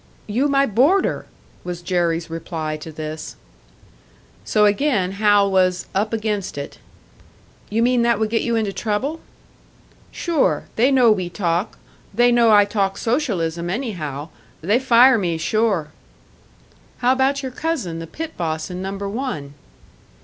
"You my boarder!" was Jerry's reply to this. So again Hal was "up against it." "You mean that would get you into trouble?" "Sure! They know we talk. They know I talk Socialism, anyhow. They fire me sure!" "But how about your cousin, the pit boss in Number One?"